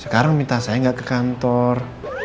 sekarang minta saya nggak ke kantor